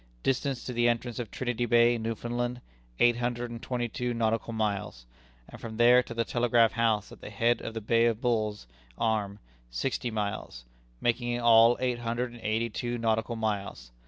Distance to the entrance of Trinity Bay, Newfoundland, eight hundred and twenty two nautical miles, and from there to the telegraph house at the head of the bay of Bull's Arm, sixty miles, making in all eight hundred and eighty two nautical miles.